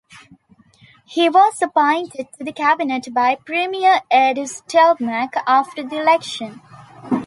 He was appointed to the cabinet by Premier Ed Stelmach after the election.